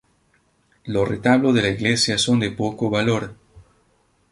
Los retablos de la iglesia son de poco valor.